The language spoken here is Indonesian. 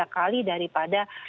tiga kali daripada